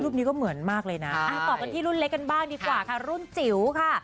นี้ก็เหมือนมากเลยนะต่อกันที่รุ่นเล็กกันบ้างดีกว่าค่ะรุ่นจิ๋วค่ะ